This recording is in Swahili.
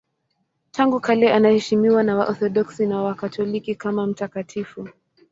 Tangu kale anaheshimiwa na Waorthodoksi na Wakatoliki kama mtakatifu.